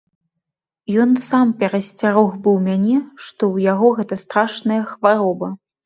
Ён сам перасцярог быў мяне, што ў яго гэта страшная хвароба.